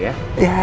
iya terima kasih